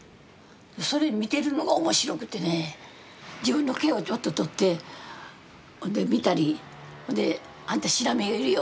それ見てるのが面白くてね自分の毛をちょっと取って見たり「あんたシラミいるよ」